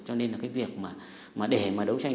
cho nên là cái việc mà để mà đấu tranh